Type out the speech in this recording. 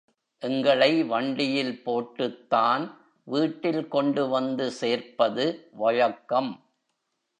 எங்களை வண்டியில் போட்டுத்தான்.வீட்டில் கொண்டு வந்து சேர்ப்பது வழக்கம்.